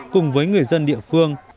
cùng với người dân địa phương